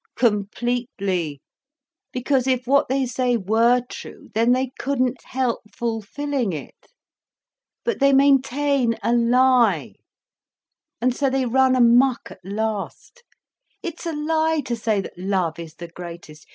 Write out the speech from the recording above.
"Completely, because if what they say were true, then they couldn't help fulfilling it. But they maintain a lie, and so they run amok at last. It's a lie to say that love is the greatest.